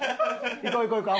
行こう行こう行こう。